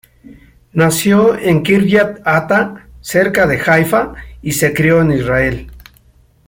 Nació en Kiryat Atta, cerca de Haifa, y se crio en Israel.